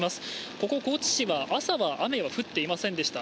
ここ高知市は朝は雨が降っていませんでした。